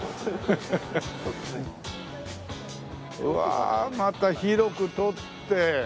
うわあまた広く取って。